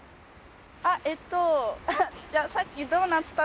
あっえっと